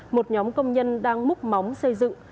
một nhóm công nhân đang múc móng xây dựng